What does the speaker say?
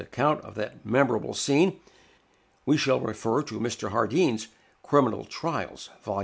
For an account of that memorable scene we shall refer to Mr. Jardine's "Criminal Trials," Vol.